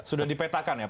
sudah dipetakan ya pak